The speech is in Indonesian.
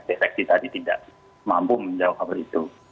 deteksi tadi tidak mampu menjawab hal itu